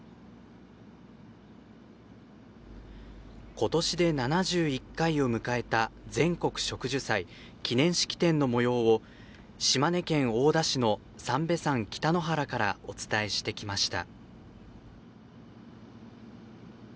今年で７１回を迎えた全国植樹祭記念式典のもようを島根県大田市の三瓶山北の原からお伝えしてきました。